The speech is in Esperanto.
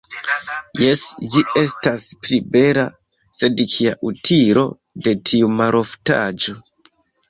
Jes, ĝi estas pli bela, sed kia utilo de tiu maloftaĵo.